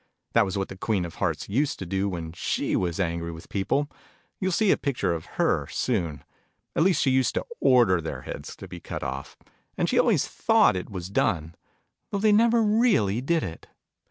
That was what the Queen of Hearts used to do, when she was angry with people (you'll see a picture of her , soon ): at least she used to order their heads to be cut off, and she always thought it was done, though they never really did it.